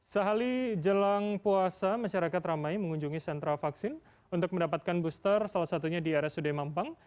sehari jelang puasa masyarakat ramai mengunjungi sentra vaksin untuk mendapatkan booster salah satunya di rsud mampang